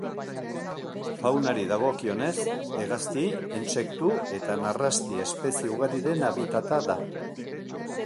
Faunari dagokionez, hegazti, intsektu eta narrasti espezie ugariren habitata da.